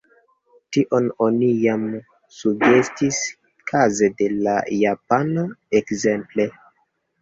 Tion oni jam sugestis kaze de la japana, ekzemple.